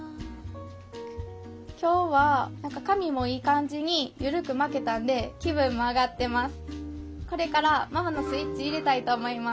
今日は髪もいい感じに緩く巻けたんで気分も上がってます